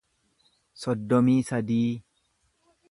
soddomii sadii